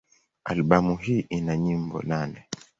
Albamu hii ina nyimbo nane.